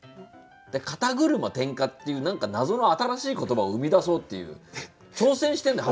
「肩車点火」っていう何か謎の新しい言葉を生み出そうっていう挑戦してるんだよ